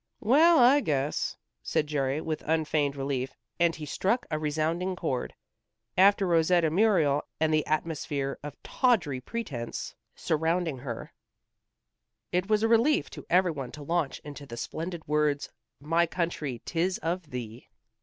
"Well, I guess," said Jerry, with unfeigned relief, and he struck a resounding chord. After Rosetta Muriel, and the atmosphere of tawdry pretense surrounding her, it was a relief to every one to launch into the splendid words, "My country, 'tis of thee."